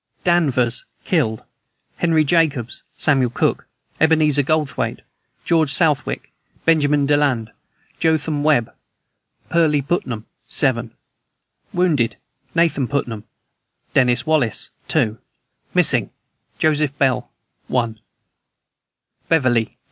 DANVERS. Killed: Henry Jacobs, Samuel Cook, Ebenezer Goldthwait, George Southwick, Benjamin Deland, Jotham Webb, Perley Putnam, 7. Wounded: Nathan Putnam, Dennis Wallace, 2. Missing: Joseph Bell, 1. BEVERLY.